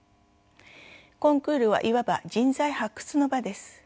コンクールはいわば人材発掘の場です。